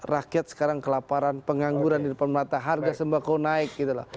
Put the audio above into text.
rakyat sekarang kelaparan pengangguran di depan mata harga sembako naik gitu loh